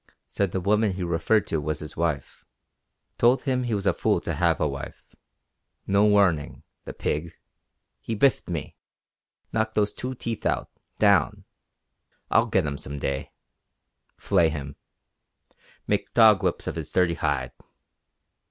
Said the woman he referred to was his wife. Told him he was a fool to have a wife. No warning the pig! He biffed me. Knocked those two teeth out down! I'll get him some day. Flay him. Make dog whips of his dirty hide.